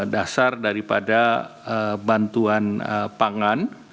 dasar daripada bantuan pangan